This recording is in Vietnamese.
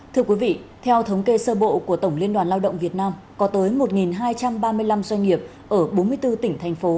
thưa quý vị theo thống kê sơ bộ của tổng liên đoàn lao động việt nam có tới một hai trăm ba mươi năm doanh nghiệp ở bốn mươi bốn tỉnh thành phố